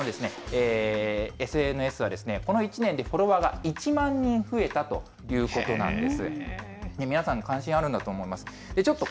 小泉さん、こちらのＳＮＳは、この１年でフォロワーが１万人増えたということなんです。